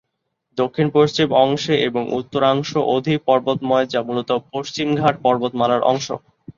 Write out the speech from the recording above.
দক্ষিণ পশ্চিম অংশে এবং উত্তরাংশ অধিক পর্বতময়, যা মূলত পশ্চিমঘাট পর্বতমালার অংশ।